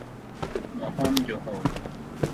مہم جو ہوں